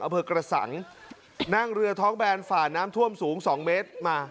เอาเพิ่งกระสั่งนั่งเรือท้องแบนฝ่านน้ำท่วมสูงสองเมตรมา